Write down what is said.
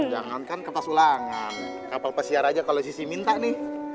bangan kapal pesiar aja kalau sisi minta nih